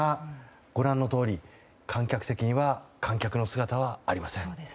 ご覧のとおり、観客席には観客の姿はありません。